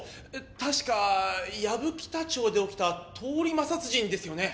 確か薮北町で起きた通り魔殺人ですよね？